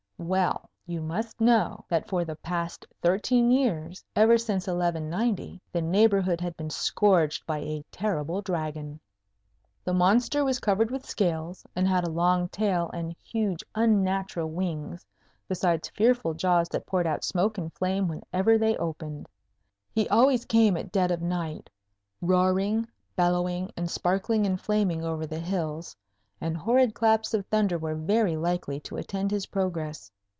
Well, you must know that for the past thirteen years, ever since 1190, the neighbourhood had been scourged by a terrible Dragon. The monster was covered with scales, and had a long tail and huge unnatural wings, beside fearful jaws that poured out smoke and flame whenever they opened. He always came at dead of night, roaring, bellowing, and sparkling and flaming over the hills, and horrid claps of thunder were very likely to attend his progress.